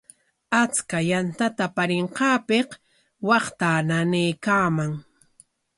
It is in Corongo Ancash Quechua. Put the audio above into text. Achka yantata aparinqaapik waqtaa nanaykaaman.